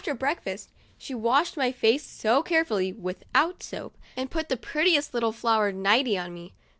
>reakfast, she washed my face carefully (without soap) and nt the prettiest little flowered nighty '' on me.